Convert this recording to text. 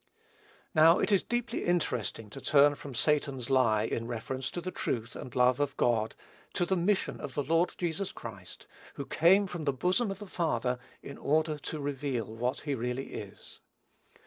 Now, it is deeply interesting to turn from Satan's lie in reference to the truth and love of God, to the mission of the Lord Jesus Christ, who came from the bosom of the Father in order to reveal what he really is.